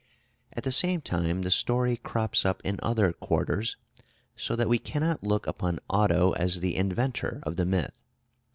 " At the same time the story crops up in other quarters; so that we cannot look upon Otto as the inventor of the myth.